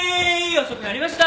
遅くなりました！